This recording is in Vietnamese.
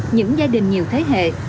những gia đình nhiều thế hệ